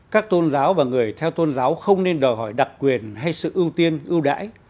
các tôn giáo và người theo tôn giáo không nên đòi hỏi đặc quyền hay sự ưu tiên ưu đãi